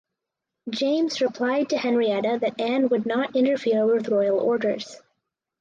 James replied to Henrietta that Anne would not interfere with royal orders.